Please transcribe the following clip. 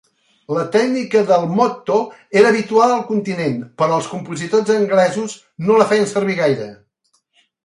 La tècnica del "motto" era habitual al continent, però els compositors anglesos no la feien servir gaire.